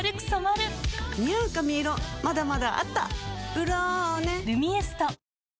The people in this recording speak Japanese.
「ブローネ」「ルミエスト」